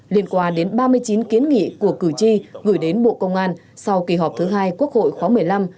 liên quan đến ba mươi chín kiến nghị của cử tri gửi đến bộ công an sau kỳ họp thứ hai quốc hội khóa một mươi năm